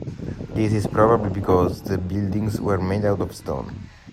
This is probably because the buildings were made out of stone.